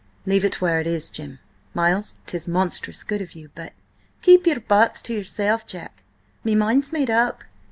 "Leave it where it is, Jim. Miles, 'tis monstrous good of you, but–" "Keep your buts to yourself, Jack. Me mind's made up."